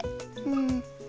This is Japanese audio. うん。